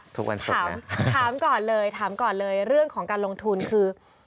ทุกวันศุกร์นะถามก่อนเลยเรื่องของการลงทุนคือ